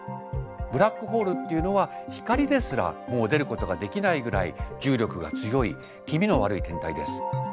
ブラックホールっていうのは光ですらもう出ることができないぐらい重力が強い気味の悪い天体です。